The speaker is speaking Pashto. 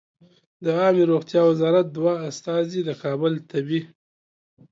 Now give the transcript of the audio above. د عامې روغتیا وزارت دوه استازي د کابل طبي